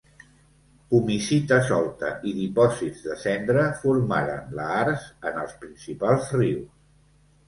Pumicita solta i dipòsits de cendra formaren lahars en els principals rius.